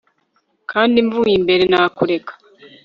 Kandi mvuye imbere nakureka